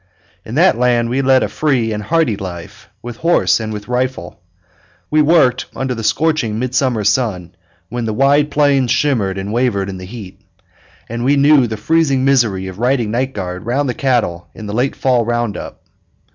In that land we led a free and hardy life, with horse and with rifle. We worked under the scorching midsummer sun, when the wide plains shimmered and wavered in the heat; and we knew the freezing misery of riding night guard round the cattle in the late fall round up.